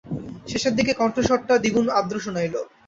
শেষের দিকে কণ্ঠস্বরটা দ্বিগুণ আর্দ্র শুনাইল।